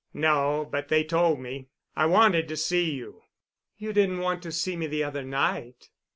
"No, but they told me. I wanted to see you." "You didn't want to see me the other night."